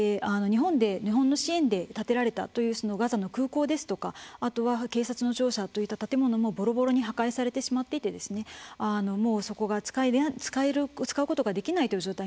日本の支援で建てられたというガザの空港ですとかあとは警察の庁舎といった建物もボロボロに破壊されてしまっていてそこが使うことができない状態になっていました。